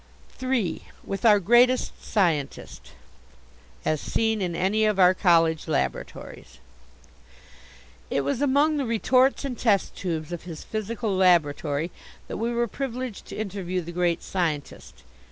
III WITH OUR GREATEST SCIENTIST As seen in any of our College Laboratories It was among the retorts and test tubes of his physical laboratory that we were privileged to interview the Great Scientist.